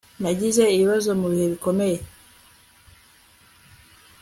nagize ibibazo mubihe bikomeye